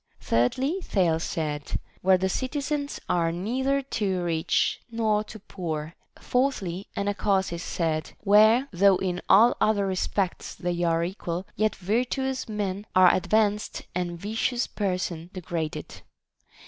Thirdly, Thales said, Where the citizens are neither too rich nor too poor. Fourthly, Anacharsis said, Where, THE BANQUET OE THE SEVEN WISE MEN. 21 though in all other respects they are equal, yet virtuous men are advanced and vicious persons degraded.